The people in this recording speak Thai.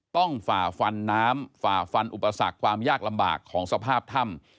ฝ่าฟันน้ำฝ่าฟันอุปสรรคความยากลำบากของสภาพถ้ำ